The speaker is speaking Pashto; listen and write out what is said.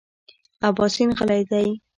اباسین غلی دی .